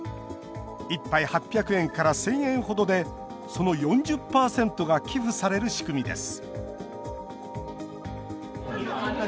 １杯８００円から１０００円程でその４０％が寄付される仕組みです